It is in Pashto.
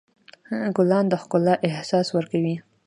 ګلان د ښکلا احساس ورکوي.